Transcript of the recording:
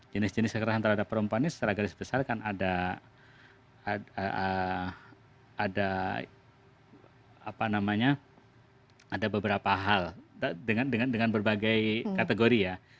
jenis jenis kekerasan terhadap perempuan ini secara garis besar kan ada beberapa hal dengan berbagai kategori ya